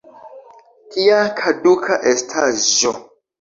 Tia kaduka estaĵo!